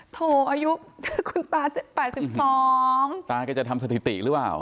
โถอายุคุณตา๘๒ตาแกจะทำสถิติหรือเปล่า